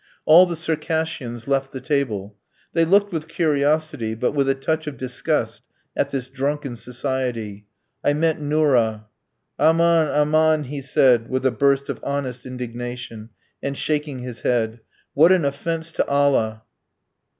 All the Circassians left the table. They looked with curiosity, but with a touch of disgust, at this drunken society. I met Nourra. "Aman, aman," he said, with a burst of honest indignation, and shaking his head. "What an offence to Allah!"